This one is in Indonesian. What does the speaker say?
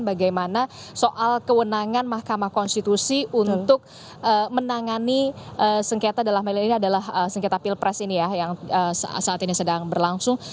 bagaimana soal kewenangan mahkamah konstitusi untuk menangani sengketa dalam hal ini adalah sengketa pilpres ini ya yang saat ini sedang berlangsung